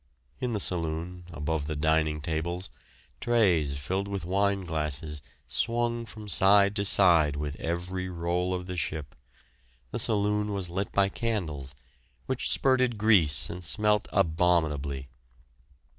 In the saloon, above the dining tables, trays filled with wine glasses swung from side to side with every roll of the ship; the saloon was lit by candles, which spurted grease and smelt abominably.